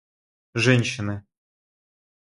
женщины